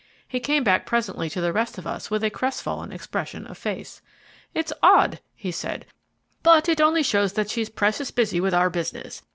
He came back presently to the rest of us with a crestfallen expression of face. "It's odd," he said, "but it only shows that she's precious busy with our business.